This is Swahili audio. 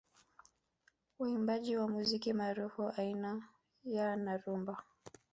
Waimbaji wa muziki maarufu aina ya na rumba